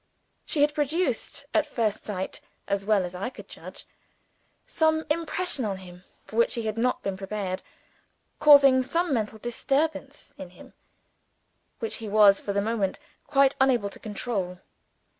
She had produced, at first sight as well as I could judge some impression on him for which he had not been prepared; causing some mental disturbance in him which he was for the moment quite unable to control.